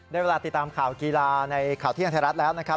เวลาติดตามข่าวกีฬาในข่าวเที่ยงไทยรัฐแล้วนะครับ